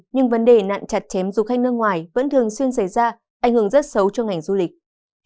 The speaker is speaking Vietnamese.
nhưng vấn đề nạn chặt chém du khách nước ngoài vẫn thường xuyên xảy ra ảnh hưởng rất xấu cho ngành du lịch